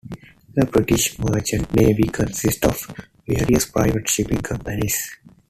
The British Merchant Navy consists of various private shipping companies.